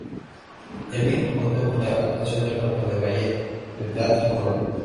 El filme contó con la actuación del Cuerpo de Ballet del Teatro Colón.